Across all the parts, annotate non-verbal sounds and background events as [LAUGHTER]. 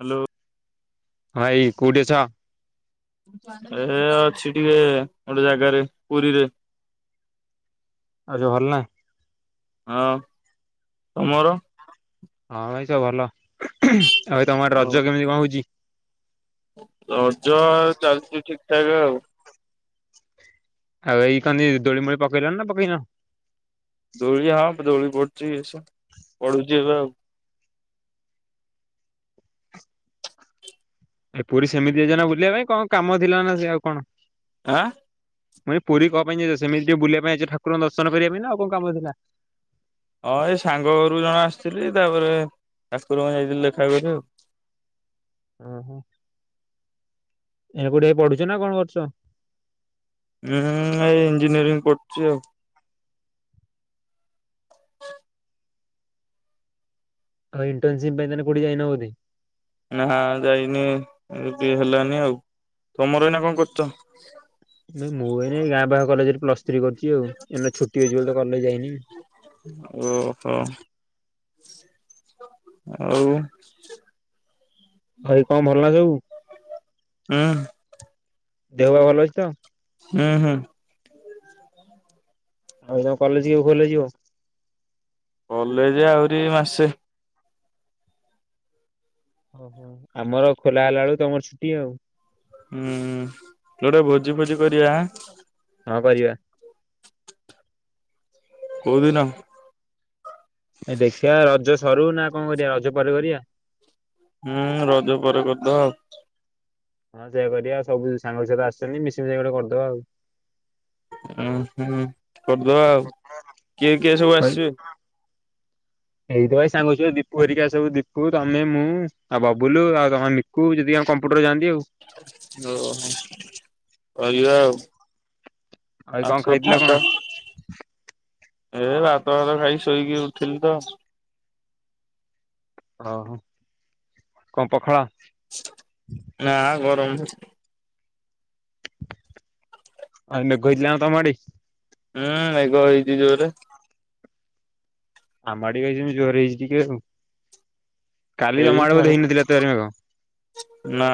Hello ଭାଇ କୋଉଠି ଅଛ ଏ ଅଛି ଟିକେ ଗୋଟେ ଜାଗାରେ ପୁରୀରେ ଆଉ ଯୋଉ ଭଲ ନାଁ ହଁ ତମର ହଁ ଭାଇ ସ ଭଲ ଆଉ ଭାଇ ତମଆଡେ ହଉ ରଜ କେମିତି କଣ ହଉଛି ରଜ ଚାଲିଚୁ ଠିକ ଠାକ ଆଉ ଆଉ ଏଇ କହ ଦୋଳି ମୋଳି ପକେଇଲ ନା ପକେଇନ ଦଉଳି ହଁଦଉଳି ପଡୁଛି ଏସ ପଡୁଛି ଏବେ ଏ ପୁରୀ ସେମିତି ଜାଇଛନା, ବୁଲିବା ପାଇଁ? କଣ କାମ ଥିଲା ନା, ସେ ଆଉ କଣ? ଆ। ମୁଇଁ ପୁରୀ କଣ ପାଇଁ ଯାଇଛ? ସେମିତି ବୁଲିବା ପାଇଁ ନାଁ, ଅଛ ଠାକୁର ଦର୍ଶନ କରିବା ପାଇଁ? ଆଉ କଣ କାମ ଥିଲା। ହଁ, ଏଇ ସାଙ୍ଗ ଘରୁ ଜଣ ଆସିଥିଲି। ତାପରେ ଠାକୁର ମୁଁ ଯାଇଥିଲି ଦେଖା କରି ଆଉ। ଓହୋ, ଏ କୋଉଠି ପଢୁଛ ନା କଣ କରୁଛ? ମୁଁ ଏଇ ଇଞ୍ଜିନିୟରିଂ କରୁଛି ଆଉ। ହୁଁ ଇଟର୍ନସିପ ପାଇଁ ତାେ କୋଉଠି ଯାଇନ। [INAUDIBLE] ନା ଯାଇନି, [INAUDIBLE] ହେଲାନି ଆଉ। ତମର ଏଇନା କଣ କରୁଛ? ମୁଁ [UNINTELLIGIBLE] ଗାଁ ପାଖରେ କଲେଜରେ ପ୍ଲସ୍ ଥ୍ରୀ କରିଛି ଆଉ। ଏବେ ଛୁଟି ଅଛି ବୋଲି ତ କଲେଜ ଯାଇନି। ଓ ହୋ। ଆଉ। ଭାଇ କଣ ଭଲ ନା ସବୁ? ହୁଁ ଦେହ ଫାହା ଭଲ ଅଛି ତ? ହୁଁ ହୁଁ। ଆଉ ତ କଲେଜ କିଏ ଖୋଲେଯିବ? କଲେଜ ଆହୁରି ମାସେ। ଓହୋ, ଆମର ଖୋଲା ହେଲା ବେଳୁ ତମର ଛୁଟି ଆଉ! ହୁଁ, ଗୋଟେ ଭୋଜି ଫୋଜି କରିବା। ହଁ, କରିବା। କୋଉଦିନ? ଏ ଦେଖିଆ, ରଜ ସରୁ ନା କଣ କରିବା। ରଜ ପରେ କରିବା। ହୁଁ, ରଜ ପରେ କରିଦବା ଆଉ। ଏ ସେଇଆ କରିବା। ସବୁ ସାଙ୍ଗଙ୍କ ସହିତ ଆସୁଛନ୍ତି, ମିଶି ମିଶାଇ କରିଦବା ଆଉ। ଉ ହୁଁ, କରିଦବା ଆଉ। କିଏ କିଏ ସବୁ ଆସିବେ? ଏଇଥିପାଇଁ ସାଙ୍ଗ ସୁଙ୍ଗି, ଦୀପୁ, ହେରିକା ସବୁ। ଦୀପୁ, ତମେ, ମୁଁ ଆଉ ବବୁଲୁ, ଆଉ ତମ ଲି କୁ ଦି ଜଣ କମ୍ପୁଟର ଯାଆନ୍ତି ଆଉ। ଓହୋ, [INAUDIBLE] କରିବା ଆଉ। ଆଉ କଣ ଖାଇଥିଲ କଣ? [INAUDIBLE] ଏ ଭାତଫାତ ଖାଇକି ଶୋଇକି ଉଠିଲି ତ। ଓହୋ, [INAUDIBLE] କଣ ପଖଳ? ନା ଗରମ। ଆଉ ମେଘ ହେଇଥିଲା ନା ତମ ଆଡେ? ହୁଁ, ମେଘ ହେଇଛିି ଜୋରେ। ଆମ ଆଡେ ବି ହେଇଛି, ଜୋର ହେଇଛି ଟିକେ ଆଉ। କାଲି ତମ ଏଇ ଆଡେ ବୋଧେ ଛାଡ ହେଇନଥିଲା ଏତେ ଜୋର୍ ମେଘ। ନା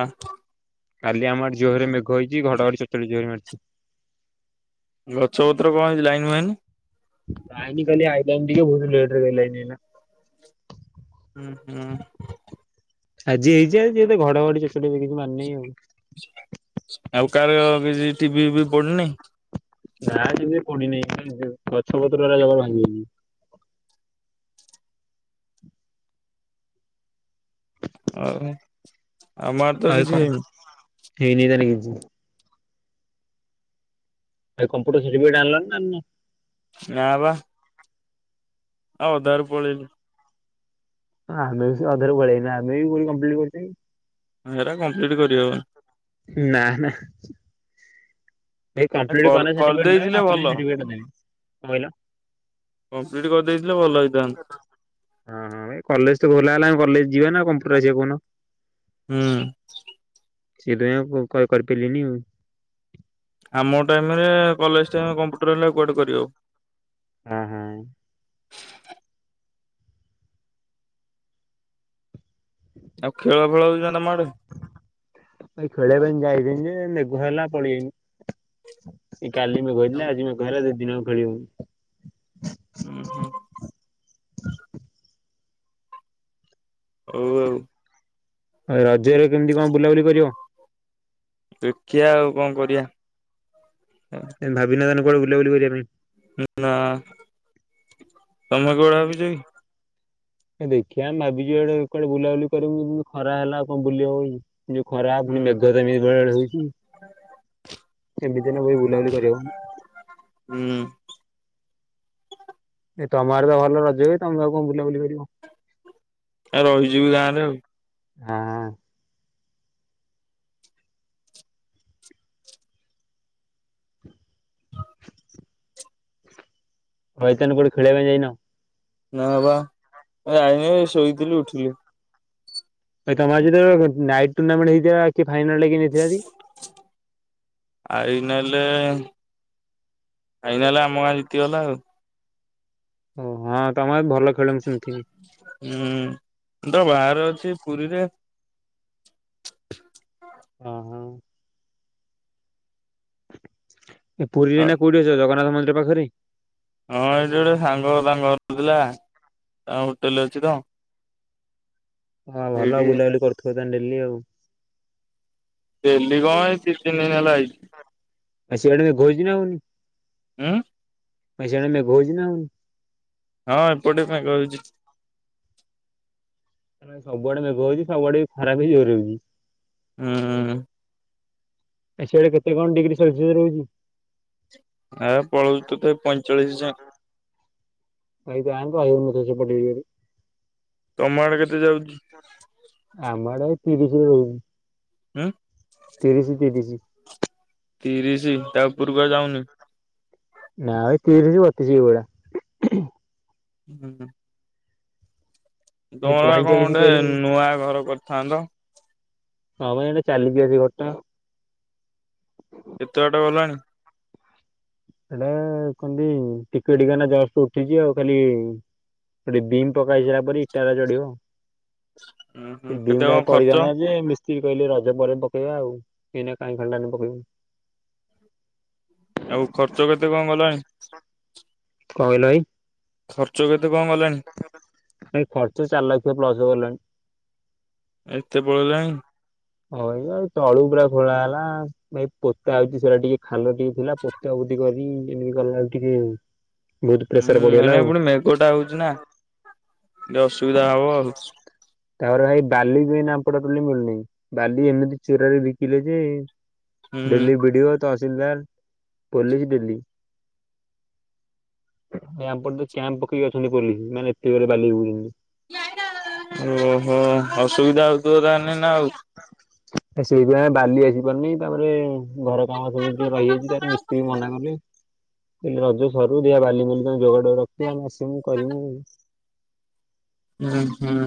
କାଲି ଆମ ଆଡେ ଜୋର୍ ରେ ମେଘ ହେଇଛି। ଘଡଘଡି, ଚଡଚଡି ଜୋର୍ ରେ ମାରିଛି। ଗଛପତ୍ର କଣ ହେଇଛି? ଲାଇନ୍। [UNINTELLIGIBLE] ଲାଇନ କାଲି ଆଇଲାନି। ଟିକେ ବହୁ ଲେଟରେ କାଲି ଲାଇନ ଆଇଲା। ହୁଁ ହୁଁ। ଆଜି ହେଇଛି ଆଉ। ଏତେ ଘଡଘଡି, ଚଡଚଡ କିଛି ମାରିନି ଆଉ। ଆଉ କାହାର କିଛି ଟିଭିବିଭି ପଡିନି?। ନା, [UNINTELLIGIBLE] ପଡିନହିଁ ଗଛ ପତ୍ର [INAUDIBLE] ଭାଙ୍ଗି। [UNINTELLIGIBLE] ହଉ। ଆଉ କଣ? ହେଇନି ତାର କିଛି। କମ୍ପ୍ୟୁଟର ସାର୍ଟିଫିକେଟ ଆଣିଲ ନା ଆଣିନ? ନା ବା। ଆ ଅଧା ରୁ ପଳେଇଲୁ। ହଁ ଆମେ ବି ସେ ଅଧାରେ ପଳେଇଆଇନୁ ଆମେ ବି କୋଉ କମ୍ଲିଟ କରିଚୁ କି। ହେରା କମ୍ପ୍ଲିଟ କରିି ହବନି। ନା ନା। ଭାଇ କମ୍ପ୍ଲିଟ କରି କନେ ସଟିଫିକେଟ ଦେବେ କରିଦେଇଥିଲେ ନ ଭଲ କନେ ସଟିଫିକେଟ ଦେବେ କହିଲ। କମ୍ପ୍ଲିଟ୍ କରିଦେଇଥିଲେ ଭଲ ହେଇଥାନ୍ତା। ହଁ ହଁ ଏ କଲେଜ ତ ଖୋଲା ହେଲା କଲେଜ ଯିବା ନା କମ୍ପ୍ୟୁଟର ଆସିବା କହୁନ? ହୁଁ। ସେଇଥି ପାଇଁ କ କରିପାରିଲିନି ଆଉ। ଆମ ଟାଇମ ରେ କଲେଜ ଟାଇମ କମ୍ପ୍ୟୁଟର ହେଲେ କୁଆଡେ କରି ହବ। [UNINTELLIGIBLE] ଆଉ ଖେଳ ଫେଳ ହଉଚି ନା ତମ ଆଡେ? [UNINTELLIGIBLE] ଖେଳିବା ପାଇଁ ଯାଇଥିଲି ଯେ ମେଘ ହେଲା ପଳେଇ ଆଇନୁ। ଏ କାଲି ମେଘ ହେଇଥିଲା ଆଜି ମେଘ ହେଲା ଦି ଦିନ ହେଲା ଖେଳି ହଉନି। ହୁଁ ହୁଁ। ହଉ ଆଉ। ରଜରେ କେମିତି କଣ ବୁଲାବୁଲି କରିବ? ଦେଖିବା ଆଉ କଣ କରିଆ‌। ଏ ଭାବି ନା ତାନେ କୁଆଡେ ବୁଲାବୁଲି କରିବା ପାଇଁ। ନା ତମେ କୁଆଡେ ପାଇଁ? ଭାବିଚ କି? ଦେଖିଆ ଭାବିୁଚୁ ଇଆଡେ କୁଆଡେ ବୁଲାବୁଲି କରିବୁ ଖରା ହେଲା କଣ ବୁଲି ହବ କି? ଯୋଉ ଖରାପ ହୁଁ ପୁଣି ମେଘ ତ ମେଘ ଏଆଡେ ହଉଚି। [INAUDIBLE] ଏମିତିି ହେନେ [UNINTELLIGIBLE] ବୁଲାବୁଲି କରିହବନି। ହୁଁ। ଏ ତମ ଆଡ଼େ ତ ଭଲ ରଜ ହୁଏ ତମେ ଆଉ କଣ ବୁଲାବୁଲି କରିବ? ଆ ରହିଯିବି ଗାଁ ରେ ଆଉ। [UNINTELLIGIBLE] ହଇତାନ କଉଠି ଖେଳିବା ପାଇଁ ଯାଇନ ନା ବା ଜାଇନି ଶୋଇଥିଲି ଉଠିଲି। ତମର ଆଜି ତ ନାଇଟ୍ ଟୁର୍ଣ୍ଣାମେଣ୍ଟ ହେଇଥିବା କି ଫାଇନାଲ ଟା କିଏ ନେଇଥିଲା ତି? ପାଇନାଲେ ଫାଇନାଲ ଆମ ଗାଁ ଜିତିଗଲା ଆଉ। ଓ ହଁ ତମ ଗାଁ ଭଲ ଖେଳନ୍ତି ଶୁଣିଥିନି। ହୁଁ ତ ବାହାରେ ଅଛି ପୁରୀରେ। ହଁ ଅ ହଁ। ଏ ପୁରୀରେ ହଁ ଏଇନା କୋଉଠି ଅଛ ଜଗନ୍ନାଥ ମନ୍ଦିର ପାଖରେ? ହଁ ଏଇଠି ଗୋଟେ ସାଙ୍ଗ ତାଙ୍କ ଘର ଥିଲା ତାଙ୍କ ହୋଟେଲରେ ଅଛି ତ ହଁ ଭଲ ସେଇଠି ଆଉ ବୁଲାବୁଲି କରୁଥିବ ତାହେଲେ ଡେଲି ଆଉ। ଡେଲି କଣ ଏ ଦୁଇ ତିନିି ଦିନ ହେଲା ଅଇଚି। ସିଆଡ଼େ ମେଘ ହେଇଚି ନା ହେଉନି? ଉଁ? ସିଆଡ଼େ ମେଘ ହେଇଚି ନା ହେଉନି? ହଁ ଏପଟେ ମେଘ ହେଇଚି। ସବୁଆଡେ ମେଘ ହଉଛି ସବୁଆଡେ ଖରା ବି ଜୋରେ ହଉଛି। ଉଁ। ଏ ସିଆଡେ କେତେ କଣ ଡିଗ୍ରୀ ସେଲସିୟସ୍ ରହୁଛି? ଆଉ ପଳଉଛି ତଥାପି ପଇଁଚାଳିଶ ଯାଏ। ଆଉ ଗାଁ କୁ ହଉ ନଥିବ ସେପଟ ଏରିଆରେ। ତମ ଆଡେ କେତେ ଯାଉଛି? ଆମ ଆଡ଼େ ତିରିଶି ରେ ରହୁଛି। ଉଁ? ତିରିଶି ତିରିଶି। ତିରିଶି ତା ଉପରକୁ ଆଉ ଯାଉନି? ନାଁ ଏଇ ତିରିଶି ବତିଶି ଏଇ ଭଳିଆ। ହୁଁ। ଭାଇ ତମର ବା କଣ ପଇଁଚାଳିଶ ଗୋଟେ କହିଲେ ନୂଆ ଘର କରିଥାନ୍ତ? ହଁ ବା ସେଇଟା ଚାଲିଛି ବା ସେ ଘର ଟା। କେତେ ବାଟ ଗଲାଣି? ସେଇଟା କହନ୍ତି ଟିକେ ଟିକେ ଏଇନା ଜଷ୍ଟ୍ ଉଠିଛି ଆଉ ଖାଲି ଗୋଟେ ବିମ୍ ପକା ହେଇସାଇଲା ପରେ ଇଟା ଟା ଅଜାଡିବ ଆଉ। ଉୁଁ ହୁଁ ସେ କେତେ ବିମ୍ ଟା କଣ ଖର୍ଚ୍ଚ ପଡିଥାନ୍ତା ଯେ ମିସ ସ୍ତ୍ରୀ କହିଲେ ରଜ ପରେ ପକେଇବା ଆଉ ଏଇନା କାହିଁ [INAUDIBLE] ପକେଇବୁ। ଆଉ ଖର୍ଚ୍ଚ କେତେ କଣ ଗଲାଣି? କଁ କହିଲ ଭାଇ? ଖର୍ଚ୍ଚ କେତେ କଣ ଗଲାଣି? ଭାଇ ଖର୍ଚ୍ଚ ଚାରି ଲକ୍ଷ ପ୍ଲସ୍ ଗଲାଣି। ଏତେ ପଳେଇଲାଣି। ହଁ ଭାଇ ତଳୁ ପୁରା ଖୋଳା ହେଲା ଆଉ। ଭାଇ ପୋତା ହେଇଛି ସେଟା ଟିକେ ଖାଲ ଟିକେ ଥିଲା ତ ପୋତାପୋତି କରି ଏମିତି କଲା ବେଳେକୁ ଟିକେ ବହୁତ ହୁଁ ପଡ଼ିଗଲା ଏଇନା ଆଉ ପୁଣି ମେଘ ଟା ହଉଛି ନା ଟିକେ ଅସୁବିଧା ହବ ଆଉ। ତାପରେ ଭାଇ ବାଲି ବି ଏଇନା ଆମ ପଟେ ଟୋଟାଲି ମିଳୁନି ବାଲି ଏମିତି ଚୋରାରେ ବିକିଲେ ଯେ daily B D O tehsildar police daily. ଆମ ପଟେ କ୍ୟାମ୍ପ ପକେଇକି ଅଛନ୍ତି ପୋଲିସ ମାନେ ଏତେ ଜୋରେ ବାଲି ବୋହୂଛନ୍ତି। ଓ ହୋ ଅସୁବିଧା ହଉଥିବ ତାହାନେ ନା ଆଉ। ହଁ। ସେଇଥିପାଇଁ ବାଲି ଆସି ପାରୁନି ତାପରେ ଘର କାମ ସବୁତିକ ରହିଯାଇଛି ଯେହେତୁ ମିସ୍ତ୍ରୀ ମନା କଲେ। କହିଲେ ରଜ ସରୁ ଦେଖିଆ ବାଲି ବୁଲି ତମେ ଯୋଗାଡ଼ ରଖିଥିବ ଆମେ ଆସିବୁ କରିବୁ। ହୁଁ ହୁଁ।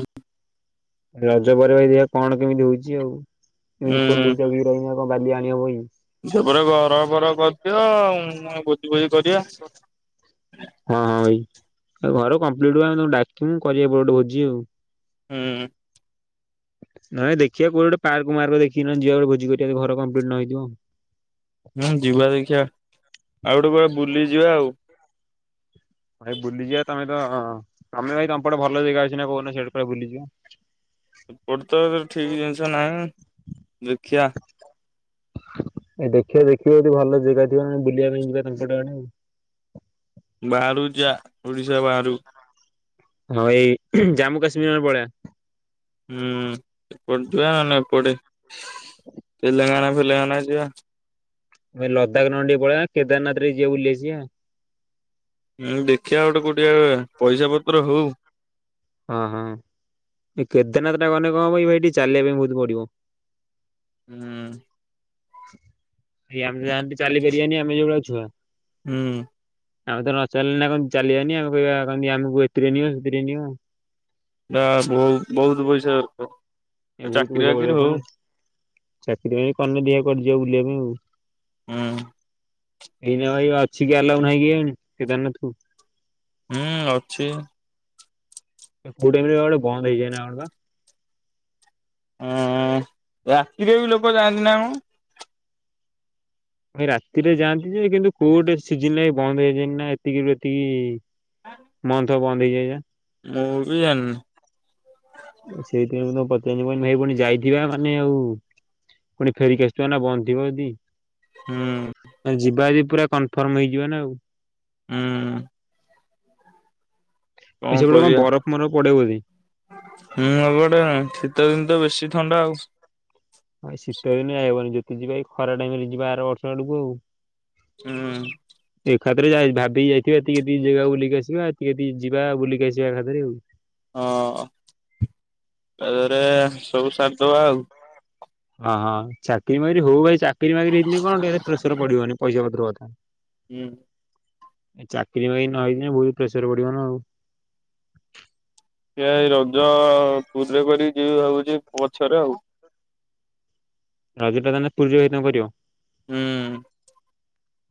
ରଜ ପରେ ଭାଇ ଦେଖିଆ କଣ କେମିତି ହଉଛି ଆଉ ଏମିତି ହୁଁ ପୋଲିସ ଯଗିକି ରହିଲେ ଆଉ କଣ ବାଲି ଆଣିହବ କି? ଯେ ଗୋଟେ ଘର ଫର କରିଦିଅ ଭୋଜି ଫୋଜି କରିବା। ହୁଁ। ହଁ ହଁ ଭାଇ ଆଉ ଘର କମ୍ପ୍ଲିଟ୍ ହେଲେ ଆମେ ତମକୁ ଡାକିବୁ କରିବା ଗୋଟେ ଭୋଜି ଆଉ। ହୁଁ। ନ ହେଲେ ଦେଖିବା କୁଆଡେ ଗୋଟେ ପାର୍କ ମାର୍କ ଦେଖି କିନା ଯିବା ଗୋଟେ ଭୋଜି କରିବା ଘର କମ୍ପ୍ଲିଟ୍ ନ ହେଇଥିବ ଆଉ। ହୁଁ ଯିବା ଦେଖିବା ଆଉ ଗୋଟେ କୁଆଡେ ବୁଲି ଯିବା ଆଉ। ଭାଇ ବୁଲିଯିବା ତମେ ତ ତମେ ଭାଇ ତମ ପଟେ ଭଲ ଜେଗା ଅଛି ନା କହୁନ ସିଆଡେ କୁଆଡେ ବୁଲିଯିବା? ଏପଟେ ତ ଏତେ ଠିକ୍ ଜିନିଷ ନାହିଁ ଦେଖିଆ। ଏ ଦେଖିବା ଦେଖିବ ଯଦି ଭଲ ଜାଗା ଥିବେ ବୁିଲିବା ପାଇଁ ଯିବା ତାମ ପଟ ଆଡ଼େ ଆଉ। ବାହାରକୁ ଯା ଆ ଓଡିଶା ବାହାରୁକୁ। ହଁ ଏଇ ଜାମ୍ମୁ କାଶ୍ମୀରି ନହେଲେ ପଳେଇବା। ହୁଁ ଏପଟେ ଯିବା ନହେଲେ ଏପଟେ ତେଲେଙ୍ଗାନା ଫେଲେଙ୍ଗାନା ଯିବା। ଏ ଲଦାକ ନହେଲେ ଟିକିଏ ପଳେଇବା କେଦାରନାଥ ଟିକେ ଯିବା ବୁଲିଆସିବା। ନହେଲେ ଦେଖିବା ଗୋଟେ କୋଉଠି ପଇସା ପତ୍ର ହଉ। ହଁ ହଁ ଏ କେଦାରନାଥ ଟା ଗେଲେ କଣ ହବକି ଭାଇ ଟିକେ ଚାଲିବା ପାଇଁ ବହୁତ ପଡିବ। ହୁଁ। ଏଇ ଆମେ ଯାଆନ୍ତି ଚାଲିପାରିବାନି ଆମେ ଯେଉଭଳିଆ ଛୁଆ ହୁଁ ଉଁ ଆମେ ତ ନଚାଲିଲେ ନା ଚାଲିବାନି ଆମେ କହିବା ଆମକୁ ଏଥିରେ ନିଅ ସେଥିରେ ନିଅ। ନା ବହୁ ବହୁତ ପଇସା ଦରକାର। ଏ ବହୁତ ଚାକିରି ପଡିବ ବାକିରି ହଉ। ପୁଣି ଚାକିରି ଫାକିରୀ କନେ ଦେଖିଆ କୁଆଡେ ଯିବା ବୁଲିବା ପାଇଁ ଆଉ। ହୁଁ। ଏଇ ନା ଭାଇ ଅଛି କି ଆଲାଉ ନାଇଁ କେଜାଣି କେଦାରନାଥ କୁ। ହୁଁ ଅଛି। କୋଉଟାଇମ ରେ ଗୋଟେ ବନ୍ଦ ହେଇଯାଏ ନା କଣ ବା। ହଁ ରାତିରେ ବି ଲୋକ ଯାଆନ୍ତି ନା କଣ? ଭାଇ ରାତିରେ ଯାଆନ୍ତି ଯେ କିନ୍ତୁ କୋଉଟା ସିଜିନ ରେ ବନ୍ଦ ହେଇଯାଇନି ନା ଏତିକିରୁ ଏତିକି ମନ୍ଥ ବନ୍ଦ ହେଇଯାଏବା। ମୁଁ ବି ଜାଣିନି। ସେଇଥିପାଇ ମୁଁ ତମକୁ ପଚାରିନି ମୁଁ କହିନୀ ଭାଇ ଆଉ ପୁଣି ଯାଇଥିବା ମାନେ ଆଉ ପୁଣି ଫେରିକି ଆସୁଥିବା ନା ବନ୍ଦ ଥିବ ଯଦି। ହୁଁ। ଯିବା ଯଦି ପୁରା କନଫର୍ମ ହେଇଯିବ ନା ଆଉ। ହୁଁ ଉଁ। ଭାଇ ସେପଟେ କଣ ବରଫ ମରଫ ପଡେବୋଧେ। ହୁଁ ହେପଟେ ଶୀତ ଦିନ ତ ବେଶୀ ଥଣ୍ଡା ଆଉ। ଶୀତ ଦିନେ ଯାଇ ହବନି ଯଦି ଯିବା ଏଇ ଖରା ଟାଇମ ରେ ଯିବା ଆର ବର୍ଷ ଆଡକୁ ଆଉ। ହୁଁ ଉଁ। ଏକା ଥରେ ଯା ଭାବିକି ଯାଇଥିବା ଏତିକ ଏତିକି ଜାଗା ବୁଲିକି ଆସିବା ଏତିକି ଏତିକି ଯିବା ବୁଲି ଆସିଵା ଆଉ। ହଁ ତାଦେହେରେ ଏ ସବୁ ସାରି ଦବା ଆଉ। ଓହୋ ଚାକିରି ବାକିରି ହଉ ଭାଇ ଚାକିରି ବାକିରି ହେଇିଥିନେ କଣ ଟିକେ ପ୍ରେସର ପଡିବନି ପଇସା ପତର କଥା। ହୁଁ। ଚାକିରି ବାକିରି ନ ହେଇିଥିଲେ ବହୁତ ପ୍ରେସର ପଡିବନ ନା ଆଉ। ସେଇଆ ଏଇ ରଜ ପୁରୀରେ କରି ଯିବି ଭାବୁଛି ପଛରେ ଆଉ। ରଜଟା ତାହେଲେ ପୁରୀରେ ଭାଇ ତମେ କରିବ? ହୁଁ ଉଁ।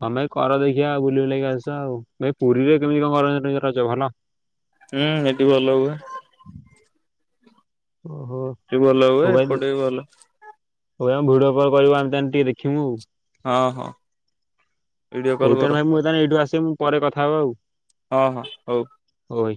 ତମେ କର ଦେଖିବା ଆଉ ବୁଲି ବୁଲାକି ଆସ ଆଉ ଭାଇ ପୁରୀରେ କେମିତି କଣ ରଜ ଭଲ? ହୁଁ ହେଠି ଭଲ ହୁଏ। ଓହୋ ସେଠି ଭଲ ହୁଏ ମୋବାଇଲ ଏପଟେ ବି ଭଲ। ହଉ ଆମେ ଭିଡିଓ କଲ କରିବୁ ଆମେ ତାନେ ଟିକେ ଦେଖିମୁ ଆଉ। ହଁ ହଁ। ଭିଡିଓ ହଉ କଲ୍ କର ତାହେଲେ ଭାଇ ମୁଁ ତାହେଲେ ଏଇଠୁ ଆସିବି ପରେ କଥା ହେବା ଆଉ। ହଁ ହଁ ହଉ। ଓଇ।